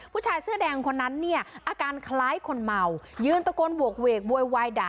ผู้ชายเสื้อแดงคนนั้นเนี่ยอาการคล้ายคนเมายืนตะโกนโหกเวกโวยวายด่า